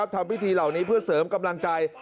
ทำพิธีเหล่านี้เพื่อเสริมกำลังใจ